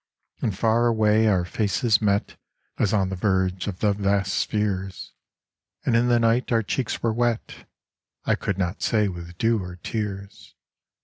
And far away our faces met As on the verge of the vast spheres ; And in the night our cheeks were wet, I could not say with dew or tears.